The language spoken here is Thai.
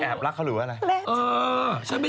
แต่ว่ายังมีความใกล้ชีวิต